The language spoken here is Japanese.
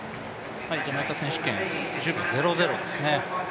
ジャマイカ選手権１０秒００ですね。